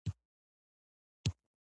د خوړو بڼه د اشتها یوه برخه ده.